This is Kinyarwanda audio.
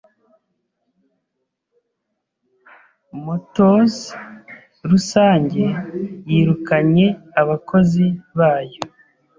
Motors rusange yirukanye abakozi bayo